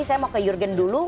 saya mau ke jurgen dulu